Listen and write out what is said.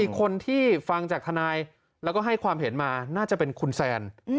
คนที่ฟังจากทนายแล้วก็ให้ความเห็นมาน่าจะเป็นคุณแซน